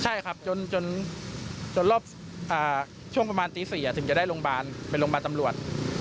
ใช่ครับจนรอบช่วงประมาณตี๔ถึงจะได้โรงพยาบาลไปโรงพยาบาลตำรวจ